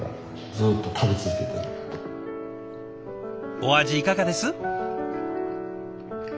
お味いかがです？